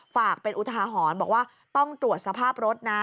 ฝากเป็นอุทาหรณ์บอกว่าต้องตรวจสภาพรถนะ